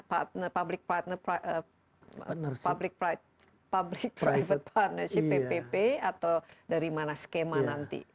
public private partnership ppp atau dari mana skema nanti